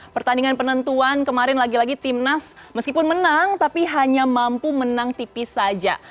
pertandingan penentuan kemarin lagi lagi timnas meskipun menang tapi hanya mampu menang tipis saja